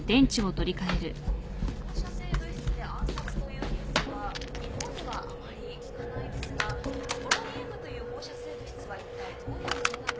放射性物質で暗殺というニュースは日本ではあまり聞かないですがポロニウムという放射性物質はいったいどういうものなのでしょうか。